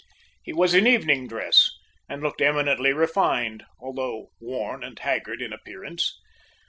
He was in evening dress, and looked eminently refined, although worn and haggard in appearance.